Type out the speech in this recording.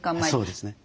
そうですね。